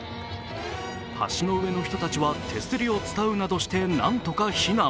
橋の上の人たちは手すりをつたうなどして何とか避難。